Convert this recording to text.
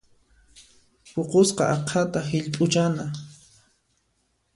Puqusqa aqhata hillp'uchana.